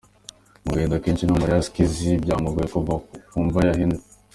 Mu gahinda kenshi n'amarira Skizzy byamugoye kuva ku mva ya Henry.